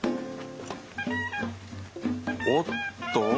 おっと。